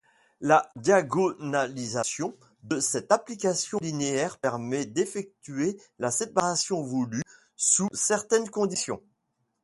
La diagonalisation de cette application linéaire permet d'effectuer la séparation voulue sous certaines conditions.